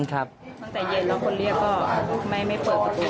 ตั้งแต่เย็นแล้วคนเรียกก็ไม่เปิดประตู